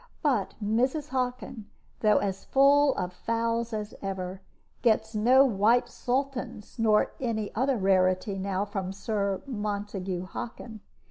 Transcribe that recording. But Mrs. Hockin, though as full of fowls as ever, gets no White Sultans nor any other rarity now from Sir Montague Hockin.